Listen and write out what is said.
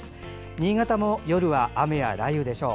新潟も夜は雨や雷雨でしょう。